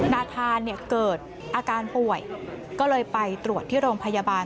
นาธานเกิดอาการป่วยก็เลยไปตรวจที่โรงพยาบาล